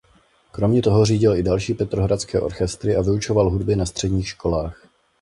Kromě toho řídil i další petrohradské orchestry a vyučoval hudbě na středních školách.